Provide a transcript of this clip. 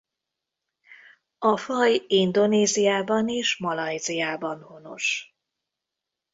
A faj Indonéziában és Malajziában honos.